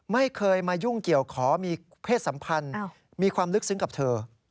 ไม่เคยมายุ่งเกี่ยวขอมีเพศสัมพันธ์มีความลึกซึ้งกับเธอ